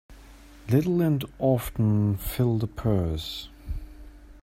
Little and often fill the purse.